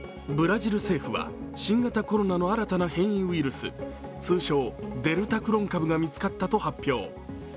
ブラジル政府は新型コロナの新たな変異ウイルス、通称・デルタクロン株が見つかったと発表。